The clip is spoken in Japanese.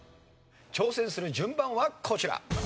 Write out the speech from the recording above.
挑戦する順番はこちら。